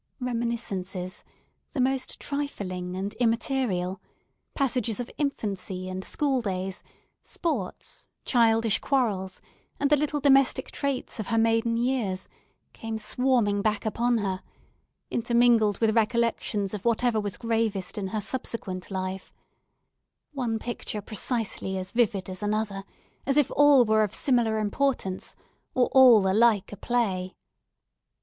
Reminiscences, the most trifling and immaterial, passages of infancy and school days, sports, childish quarrels, and the little domestic traits of her maiden years, came swarming back upon her, intermingled with recollections of whatever was gravest in her subsequent life; one picture precisely as vivid as another; as if all were of similar importance, or all alike a play.